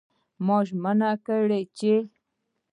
ما ژمنه کړې چې